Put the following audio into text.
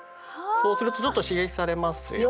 そうするとちょっと刺激されますよね。